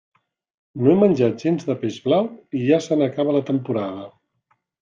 No he menjat gens de peix blau i ja se n'acaba la temporada.